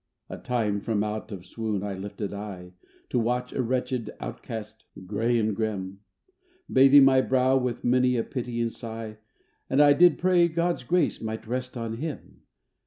A time, from out of swoon I lifted eye, To find a wretched outcast, gray and grim, Bathing my brow, with many a pitying sigh, And I did pray God's grace might rest on him